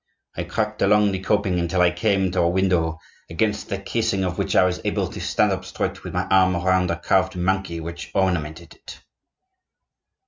I crept along the coping until I came to a window, against the casing of which I was able to stand up straight with my arm round a carved monkey which ornamented it."